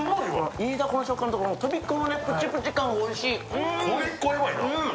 イイダコの食感ととびっこのプチプチの食感、うまい。